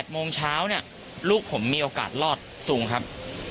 โมงเช้าเนี่ยลูกผมมีโอกาสรอดสูงครับ